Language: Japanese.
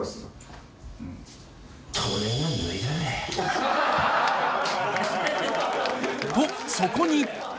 ［とそこに］